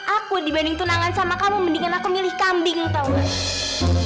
aku dibanding tunangan sama kamu mendingan aku milih kambing tau gak